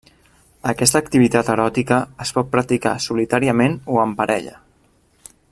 Aquesta activitat eròtica es pot practicar solitàriament o en parella.